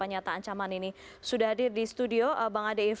dan assalamualaikum warahmatullahi wabarakatuh